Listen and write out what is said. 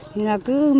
thì là cứ